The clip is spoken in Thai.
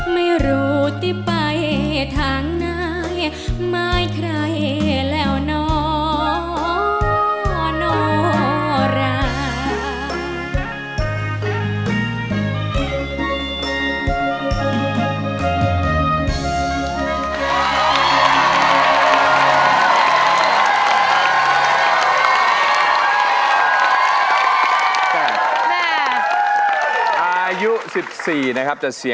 ไม่รู้ที่ไปทางไหนหมายใคร